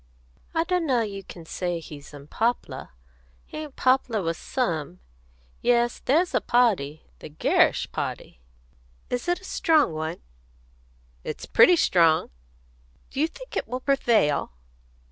"I d'know as you can say he's unpoplah. He ain't poplah with some. Yes, there's a party the Gerrish party." "Is it a strong one?" "It's pretty strong." "Do you think it will prevail?"